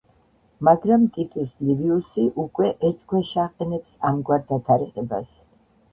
მაგრამ ტიტუს ლივიუსი უკვე ეჭქვეშ აყენებს ამგვარ დათარიღებას.